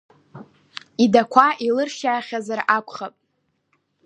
Идақәа илыршьаахьазар акәхап.